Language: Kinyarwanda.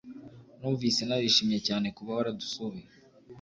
numvise narishimye cyane kuba waradusuye